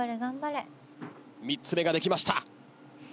３つ目ができました。